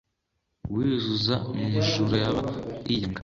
Uwiyuzuza n umujura aba yiyanga